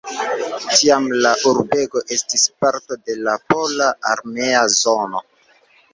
Tiam la urbego estis parto de la pola armea zono.